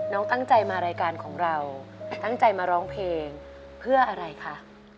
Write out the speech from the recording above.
ตั้งใจมารายการของเราตั้งใจมาร้องเพลงเพื่ออะไรคะ